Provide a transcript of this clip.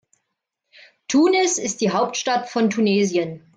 Tunis ist die Hauptstadt von Tunesien.